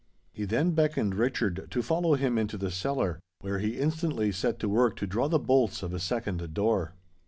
He then beckoned Richard to follow him into the cellar, where he instantly set to work to draw the bolts of a second door.